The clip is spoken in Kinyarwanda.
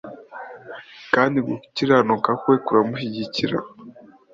kandi gukiranuka kwe kuramushyigikira